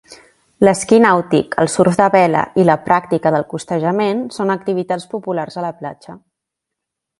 L'esquí nàutic, el surf de vela i la pràctica del costejament són activitats populars a la platja.